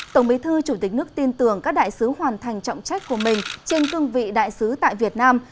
tổng bí thư chủ tịch nước tin tưởng các đại sứ hoàn thành trọng trách của mình trên cương vị đại sứ tại việt nam